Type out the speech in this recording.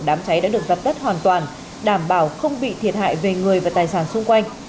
đám cháy đã được dập tắt hoàn toàn đảm bảo không bị thiệt hại về người và tài sản xung quanh